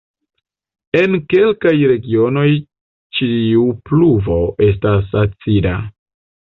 En kelkaj regionoj ĉiu pluvo estas acida.